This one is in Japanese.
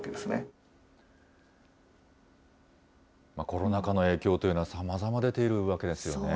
コロナ禍の影響というのはさまざま出ているわけですよね。